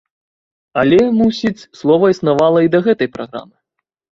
Але, мусіць, слова існавала і да гэтай праграмы.